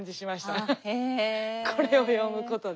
アハッこれを読むことで。